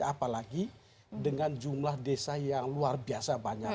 apalagi dengan jumlah desa yang luar biasa banyak